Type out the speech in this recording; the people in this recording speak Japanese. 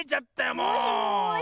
もしもし。